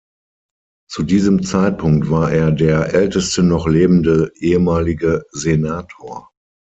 Zu diesem Zeitpunkt war er der älteste noch lebende ehemalige Senator.